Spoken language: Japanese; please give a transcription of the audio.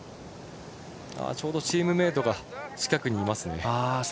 ちょうどチームメートが近くにいますね。